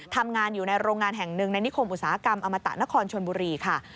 ทำงานอยู่ในโรงงานแห่งหนึ่งในนิคมอุตสาหกรรมอมตะนครชนบุรีค่ะ